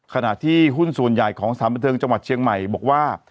ขณะที่หุ้นส่วนใหญ่ของสถานบันเทิงจังหวัดเชียงใหม่บอกว่า